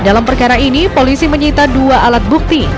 dalam perkara ini polisi menyita dua alat bukti